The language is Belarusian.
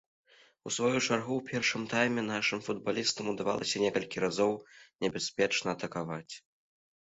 У сваю чаргу ў першым тайме нашым футбалістам удавалася некалькі разоў небяспечна атакаваць.